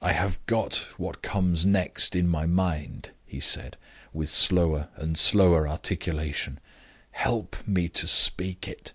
"I have got what comes next in my mind," he said, with slower and slower articulation. "Help me to speak it."